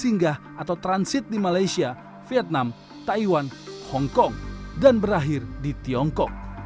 singgah atau transit di malaysia vietnam taiwan hongkong dan berakhir di tiongkok